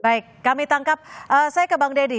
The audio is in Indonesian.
baik kami tangkap saya ke bang deddy